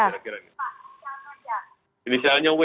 pak inisialnya apa aja